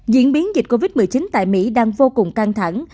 diễn biến dịch covid một mươi chín tại mỹ đang vô cùng căng thẳng